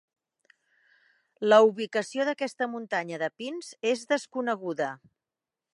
La ubicació d'aquesta muntanya de pins és desconeguda.